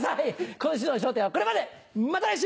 今週の『笑点』はこれまでまた来週！